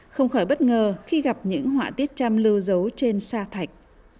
không khỏi bất ngờ khi gặp những họa tiết trăm lưu dấu trên sa thạch